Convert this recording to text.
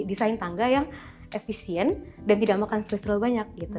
desain tangga yang efisien dan tidak makan spesial banyak gitu